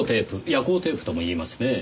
夜光テープとも言いますねぇ。